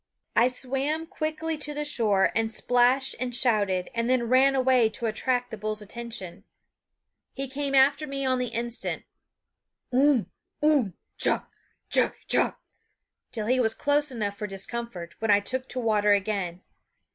I swam quickly to the shore and splashed and shouted and then ran away to attract the bull's attention. He came after me on the instant unh! unh! chock, chockety chock! till he was close enough for discomfort, when I took to water again.